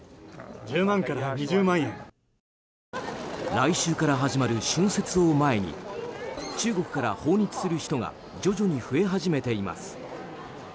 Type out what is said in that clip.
来週から始まる春節を前に中国から訪日する人が徐々に増え始めています。